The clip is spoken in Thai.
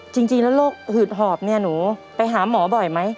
จริงแล้วโรคหืดหอบเนี่ยหนูไปหาหมอบ่อยไหม